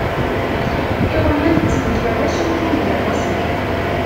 Iɣyal temkerracen buygarasen.